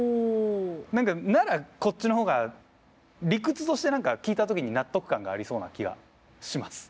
何かならこっちの方が理屈として何か聞いた時に納得感がありそうな気はします。